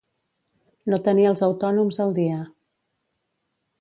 No tenir els autònoms al dia.